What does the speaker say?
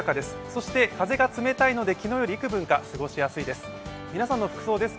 そして風が冷たいので昨日よりいくぶんか過ごしやすいです。